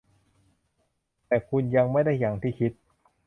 แต่คุณยังไม่ได้อย่างที่คิด